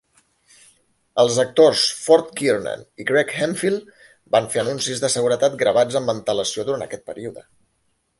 Els actors Ford Kiernan i Greg Hemphill van fer anuncis de seguretat gravats amb antelació durant aquest període.